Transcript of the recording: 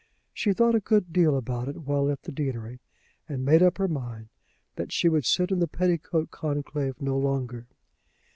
She thought a good deal about it while at the deanery, and made up her mind that she would sit in the petticoat conclave no longer.